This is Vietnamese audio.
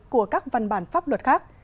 của các văn bản pháp luật khác